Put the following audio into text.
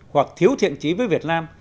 hoặc thiếu thiện trí với việt nam